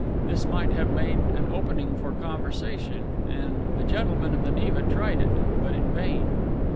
This might have made an opening for conversation; and the "gentleman of the Neva" tried it; but in vain.